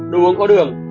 đồ uống có đường